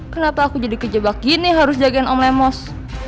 kenapa aku jadi kejebak gini harus jagain om lemos